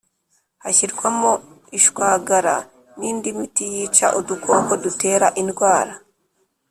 hashyirwamo ishwagara n’indi miti yica udukoko dutera indwara